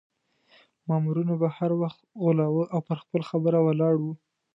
مامورینو به هر وخت غولاوه او پر خپله خبره ولاړ وو.